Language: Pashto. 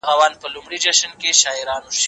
بېلتون سندره زياته ده.